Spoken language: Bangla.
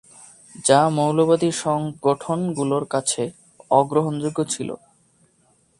যা মৌলবাদী সংগঠনগুলোর কাছে অগ্রহণযোগ্য ছিল।